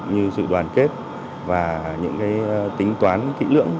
như sự đoàn kết và những tính toán kỹ lưỡng